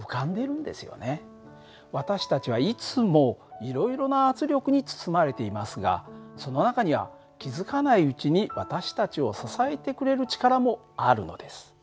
私たちはいつもいろいろな圧力に包まれていますがその中には気付かないうちに私たちを支えてくれる力もあるのです。